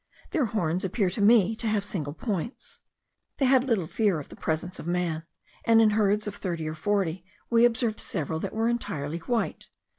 Their horns appear to me to have single points. They had little fear of the presence of man: and in herds of thirty or forty we observed several that were entirely white.